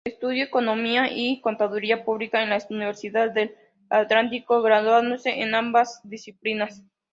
Estudió Economía y Contaduría Pública en la Universidad del Atlántico, graduándose en ambas disciplinas.